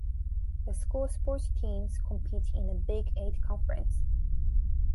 The school sports teams compete in the Big Eight Conference.